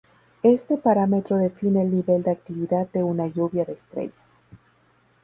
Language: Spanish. Este parámetro define el nivel de actividad de una lluvia de estrellas.